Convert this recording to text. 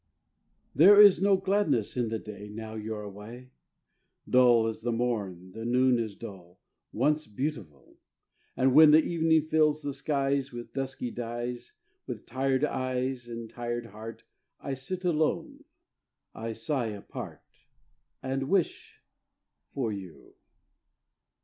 There is no gladness in the day Now you're away; Dull is the morn, the noon is dull, Once beautiful; And when the evening fills the skies With dusky dyes, With tired eyes and tired heart I sit alone, I sigh apart, And wish for you.